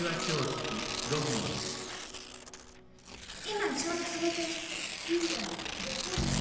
今ちょうどその教室で。